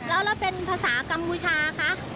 แล้วเราเป็นภาษากัมพูชาคะ